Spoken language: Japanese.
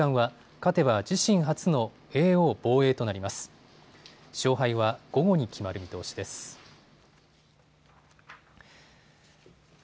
勝敗は午後に決まる見通しです。